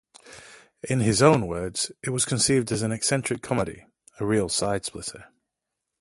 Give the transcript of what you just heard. In his own words, it was conceived as an eccentric comedy...a real side splitter.